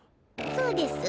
そうです。